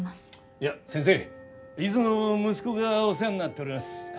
いや先生いつも息子がお世話になっております。